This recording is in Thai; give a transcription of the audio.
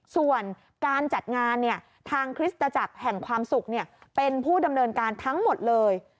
ส่วนการจัดงานทางคริสตจักรแห่งความสุขเป็นผู้ดำเนินการทั้งหมดเลย